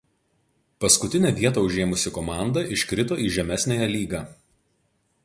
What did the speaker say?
Paskutinę vietą užėmusi komanda iškrito į žemesniąją lygą.